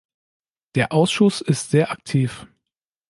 Der Ausschuss ist sehr aktiv.